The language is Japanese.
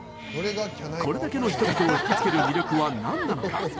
これだけの人々を引き付ける魅力はなんなのか。